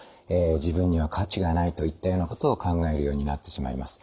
自分には価値がないといったようなことを考えるようになってしまいます。